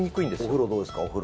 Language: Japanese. お風呂はどうですか？